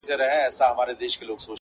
• اشاره کړې او پر ویر یې ورسره ژړلي دي -